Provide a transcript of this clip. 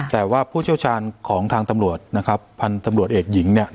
แต่ว่าผู้เชี่ยวชาญของทางตำรวจพันธุ์ตำรวจเอกหญิง